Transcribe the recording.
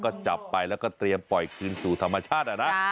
ก็จับไปแล้วก็เตรียมปล่อยคืนสู่ธรรมชาตินะ